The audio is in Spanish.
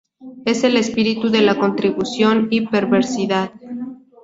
Es el espíritu de la contradicción y perversidad.